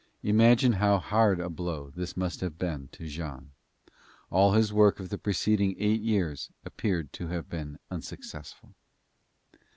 Imagine how hard a blow this must have been to Jean. All his work of the preceding eight years appeared to have been unsuccessful.